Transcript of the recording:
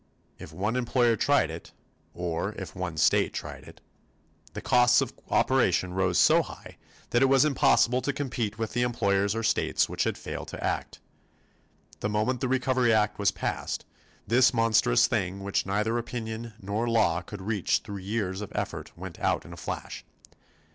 If one employer tried it, or if one state tried it, the costs of operation rose so high that it was impossible to compete with the employers or states which had failed to act. The moment the Recovery Act was passed, this monstrous thing which neither opinion nor law could reach through years of effort went out in a flash.